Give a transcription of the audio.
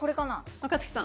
若槻さん。